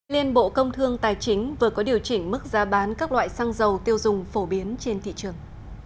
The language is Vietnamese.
liên bộ công thương tài chính vừa có điều chỉnh mức giá bán các loại xăng dầu tiêu dùng phổ biến trên thị trường